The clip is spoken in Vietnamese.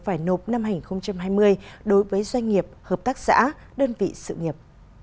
phải nộp năm hai nghìn hai mươi đối với doanh nghiệp hợp tác xã đơn vị sự nghiệp